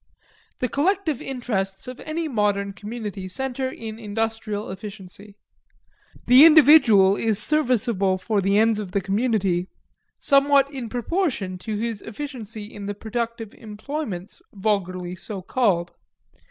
The collective interests of any modern community center in industrial efficiency. The individual is serviceable for the ends of the community somewhat in proportion to his efficiency in the productive employments vulgarly so called.